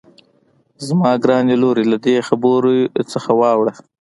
زما ګرانې لورې له دې خبرې څخه واوړه.